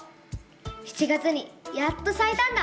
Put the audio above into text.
７月にやっとさいたんだ！